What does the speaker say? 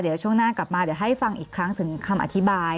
เดี๋ยวช่วงหน้ากลับมาเดี๋ยวให้ฟังอีกครั้งถึงคำอธิบาย